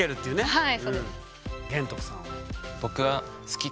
はい。